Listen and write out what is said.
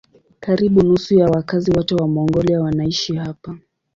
Karibu nusu ya wakazi wote wa Mongolia wanaishi hapa.